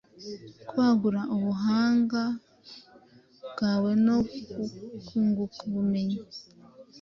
kwagura ubuhanga bwawe no kunguka ubumenyi